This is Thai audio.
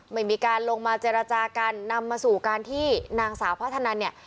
ไม่มีการลงมาเจรจากันนำมาสู่การที่นางสาวพัฒนันเนี่ย